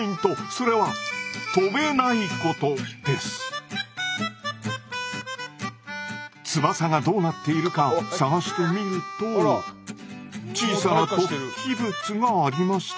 それは翼がどうなっているか探してみると小さな突起物がありました。